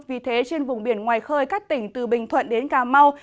vì thế trên vùng biển ngoài khơi các tỉnh từ bình thuận đến cà mau